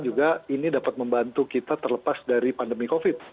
juga ini dapat membantu kita terlepas dari pandemi covid